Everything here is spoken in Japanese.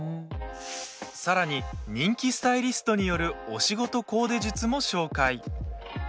さらに、人気スタイリストによるお仕事コーデ術も紹介。